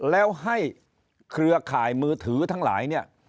แล้วให้เครือข่ายมือถือทั้งหลายเนี่ย